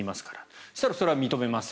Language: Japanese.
そしたらそれは認めません。